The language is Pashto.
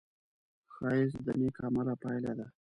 ښایست د نېک عمل پایله ده